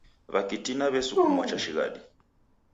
W'akitina w'esukumwa cha shighadi